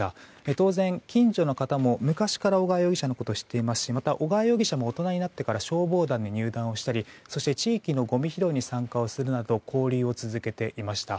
当然、近所の方も昔から小川容疑者のことは知っていますしまた小川容疑者も大人になってから消防団に入団をしたりそして地域のごみ拾いに参加するなど交流を続けていました。